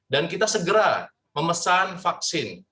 dan kita segera memesan vaksin